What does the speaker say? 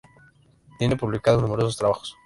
Tiene publicados numerosos trabajos.